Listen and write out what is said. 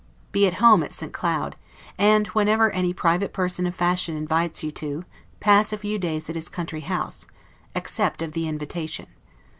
Be at home at St. Cloud; and, whenever any private person of fashion invites you to, pass a few days at his country house, accept of the invitation.